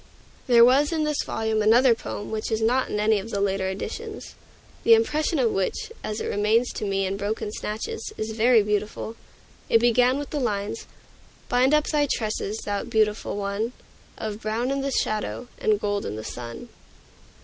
There was in this volume another poem which is not in any of the later editions, the impression of which, as it remains to me in broken snatches, is very beautiful. It began with the lines "Bind up thy tresses, thou beautiful one, Of brown in the shadow, and gold in the sun."